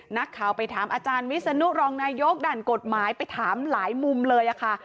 นักข่าวไปถามอาจารย์วิศนุรองนายกด้านกฎหมายไปถามหลายมุมเลยค่ะ